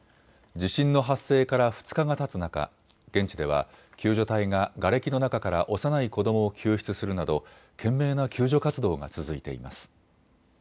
地震の発生から２日がたつ中、現地では救助隊ががれきの中から幼い子どもを救出するなど懸命な救助活動が続いています。